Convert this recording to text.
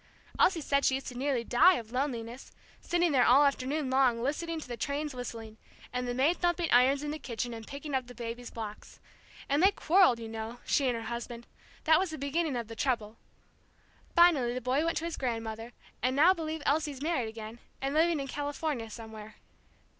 Elsie said she used to nearly die of loneliness, sitting there all afternoon long listening to the trains whistling, and the maid thumping irons in the kitchen, and picking up the baby's blocks. And they quarrelled, you know, she and her husband that was the beginning of the trouble. Finally the boy went to his grandmother, and now believe Elsie's married again, and living in California somewhere."